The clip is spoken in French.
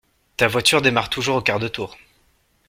Ta voiture démarre toujours au quart de tour.